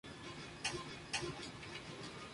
Tuvo varios cargos destinos diplomáticos.